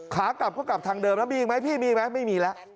ขากลับก็กลับทางเดิมแล้วมีอีกไหมพี่มีอีกไหมไม่มีแล้ว